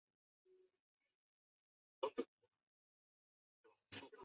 意大利古城赫库兰尼姆遗址中有一幅壁画中画了松乳菇。